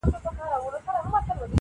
مهار د اوښ به په خره پسې وي -